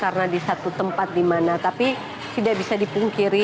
karena di satu tempat dimana tapi tidak bisa dipungkiri